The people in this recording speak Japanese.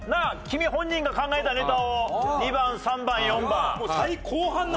君本人が考えたネタを２番３番４番。